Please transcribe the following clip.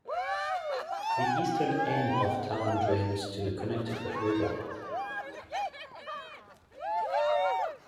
The eastern end of town drains to the Connecticut River.